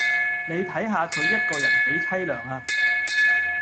你睇下佢一個人幾淒涼呀